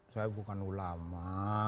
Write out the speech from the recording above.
saya bukan ulama